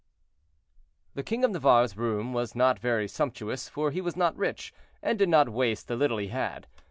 The king of Navarre's room was not very sumptuous, for he was not rich, and did not waste the little he had.